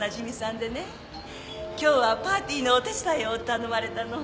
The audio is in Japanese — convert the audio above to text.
今日はパーティーのお手伝いを頼まれたの。